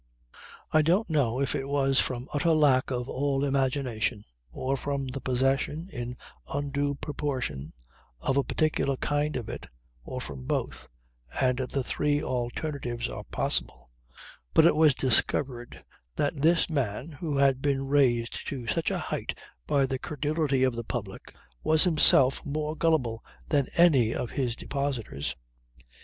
I don't know if it was from utter lack of all imagination or from the possession in undue proportion of a particular kind of it, or from both and the three alternatives are possible but it was discovered that this man who had been raised to such a height by the credulity of the public was himself more gullible than any of his depositors.